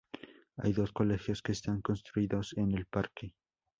Hay dos colegios que están construidos en el parque.